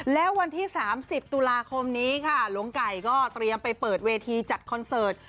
แล้ววันที่๓๐ตุลาคมนี้ค่ะหลวงไก่ก็เตรียมไปเปิดเวทีจัดคอนเสิร์ต